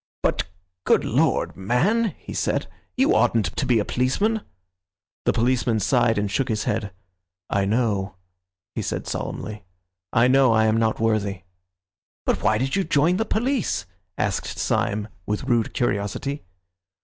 "But, good Lord, man," he said, "you oughtn't to be a policeman!" The policeman sighed and shook his head. "I know," he said solemnly, "I know I am not worthy." "But why did you join the police?" asked Syme with rude curiosity.